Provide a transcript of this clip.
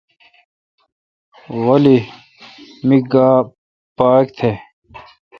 غلی می گاؘ پاک تھ۔